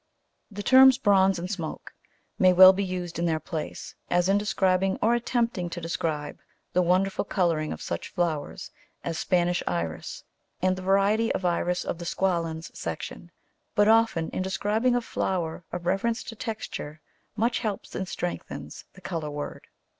The terms bronze and smoke may well be used in their place, as in describing or attempting to describe the wonderful colouring of such flowers as Spanish Iris, and the varieties of Iris of the squalens section. But often in describing a flower a reference to texture much helps and strengthens the colour word.